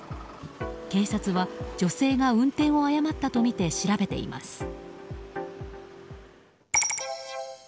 警察は、女性が運転を誤ったとみて調べています。